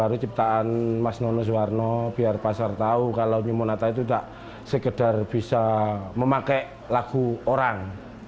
dan juga penciptaan mas nono soeharno biar pasar tahu kalau new monata itu tidak sekedar bisa memakai lagu orang